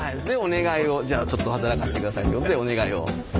でお願いをじゃあちょっと働かせてくださいということでお願いを。